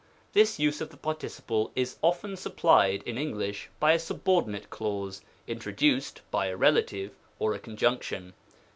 This use of the participle is often supplied in English by a subordinate clause, introduced by a rela tive or a conjunction.